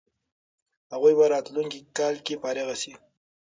هغوی به راتلونکی کال فارغ سي.